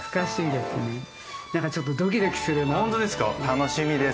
楽しみです。